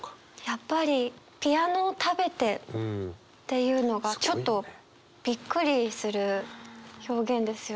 やっぱり「ピアノを食べて」っていうのがちょっとびっくりする表現ですよね。